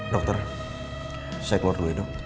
dokter saya keluar dulu ya dok